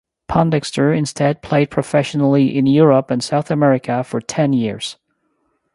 Pondexter instead played professionally in Europe and South America for ten years.